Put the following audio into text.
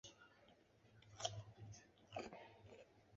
雅莱拉克。